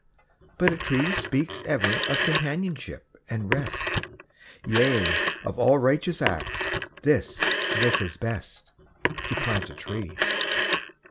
But a tree Speaks ever of companionship and rest. Yea, of all righteous acts, this, this is best, To plant a tree.